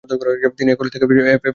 তিনি এ কলেজ থেকে এফ এ পাশ করেন।